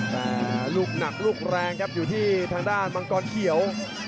แต่ลูกหนักลูกแรงครับอยู่ที่ทางด้านมังกรเขียว